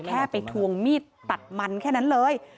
แค่ไปทวงมีดตัดมันแค่นั้นเลย